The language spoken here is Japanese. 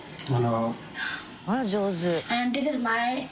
あら上手。